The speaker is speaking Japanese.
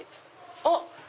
あっ！